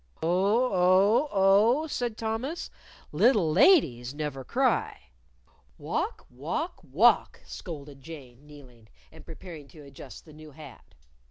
"Oh! Oh! Oh!" said Thomas. "Little ladies never cry." "Walk! walk! walk!" scolded Jane, kneeling, and preparing to adjust the new hat.